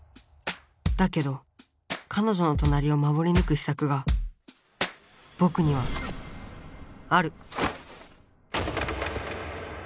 だけどかのじょの隣を守りぬく秘策がぼくにはある。